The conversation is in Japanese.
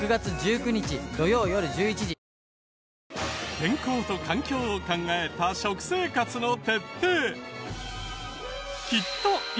健康と環境を考えた食生活の徹底。